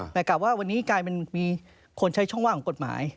แต่กลับว่าวันนี้กลายเป็นมีคนใช้ช่องว่างของกฎหมาย